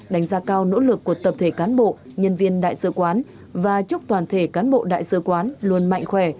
đánh giá cao nỗ lực của tập thể cán bộ nhân viên đại sứ quán và chúc toàn thể cán bộ đại sứ quán luôn mạnh khỏe